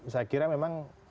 saya kira memang